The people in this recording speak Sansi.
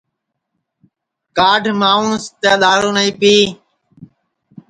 کھاڈھ مانٚوس تیں دؔارو نائی پی